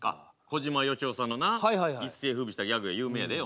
小島よしおさんのな一世風靡したギャグや有名やで。